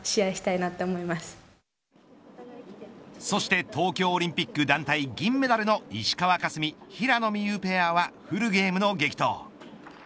そして東京オリンピック団体銀メダルの石川佳純、平野美宇ペアはフルゲームの激闘。